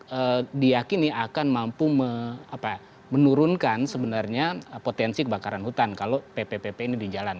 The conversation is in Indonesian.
jadi diakini akan mampu menurunkan sebenarnya potensi kebakaran hutan kalau pppr ini di jalan